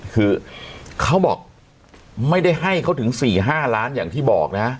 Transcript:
คือเขาบอกไม่ได้ให้เขาถึง๔๕ล้านอย่างที่บอกนะ